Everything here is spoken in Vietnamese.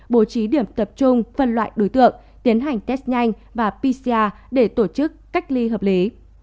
bố trí điểm tập trung phân loại đối tượng tiến hành test nhanh và pcr để tổ chức cách ly hợp lý